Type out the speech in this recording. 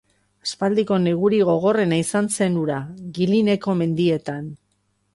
Aspaldiko negurik gogorrena izan zen hura Guilineko mendietan.